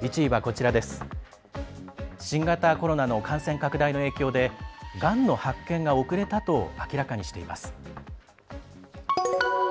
１位は新型コロナの感染拡大の影響でがんの発見が遅れたと明らかにしています。